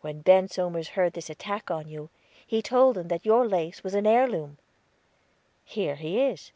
When Ben Somers heard this attack on you, he told them that your lace was an heirloom. Here he is."